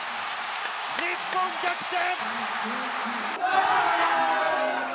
日本、逆転！